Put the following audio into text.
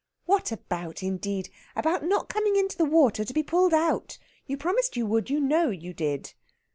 "What about, indeed? About not coming into the water to be pulled out. You promised you would, you know you did!"